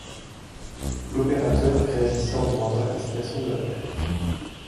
L'opérateur réagissait en demandant la destination de l'appel.